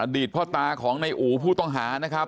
ตพ่อตาของในอู๋ผู้ต้องหานะครับ